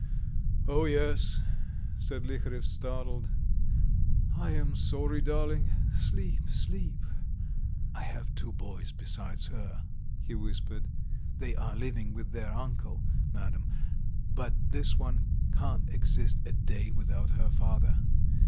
"Oh, yes!" said Liharev, startled. "I am sorry, darling, sleep, sleep. ... I have two boys besides her," he whispered. "They are living with their uncle, Madam, but this one can't exist a day without her father.